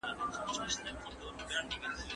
که مارکېټ ښه وي نو سوداګر کولای سي ډېره ګټه وکړي.